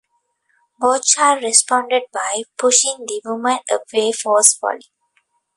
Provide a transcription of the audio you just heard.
Bouchard responded by pushing the woman away forcefully.